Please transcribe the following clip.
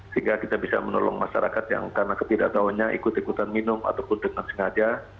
sehingga kita bisa menolong masyarakat yang karena ketidaktahunya ikut ikutan minum ataupun dengan sengaja